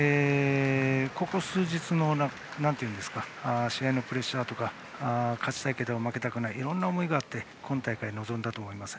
ここ数日の試合のプレッシャーとか勝ちたいけれども負けたくないいろんな思いがあって今大会に臨んだと思います。